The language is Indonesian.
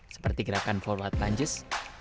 seperti gerakan forward lunges